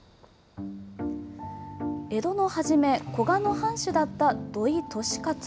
江戸の初め、古河の藩主だった土井利勝。